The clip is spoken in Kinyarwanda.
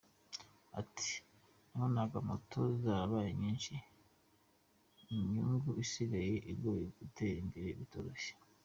Ati “ nabonaga moto zarabaye nyinshi, inyungu isigaye igoye, gutera imbere bitoroshye.